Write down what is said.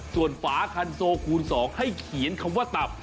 ส่วนฝาคันโซคูณ๒ให้เขียนคำว่าตับ